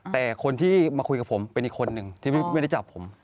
แต่คนที่มาคุยกับผมเป็นอีกคนนึงที่ไม่ได้จับผม